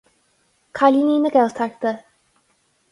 Cailíní na Gaeltachta.